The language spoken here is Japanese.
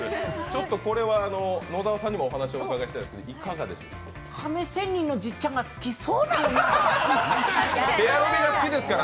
ちょっとこれは野沢さんにもお話を伺いたいんですけど、いかがですか？